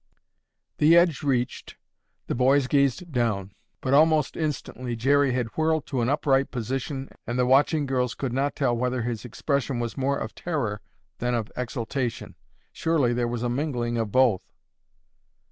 The edge reached, the boys gazed down, but almost instantly Jerry had whirled to an upright position and the watching girls could not tell whether his expression was more of terror than of exultation. Surely there was a mingling of both.